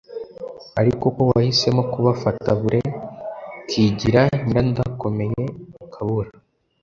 ariko ko wahisemo kubafata bure, ukigira Nyirandakomeye, ukabura!